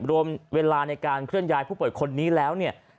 รวมเวลาในการเคลื่อนย้ายผู้ป่วยคนนี้แล้วเนี่ย